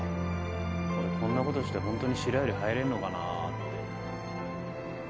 俺こんなことしてホントに白百合入れんのかなって。